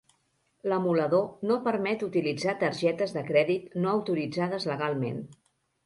L'emulador no permet utilitzar targetes de crèdit no autoritzades legalment.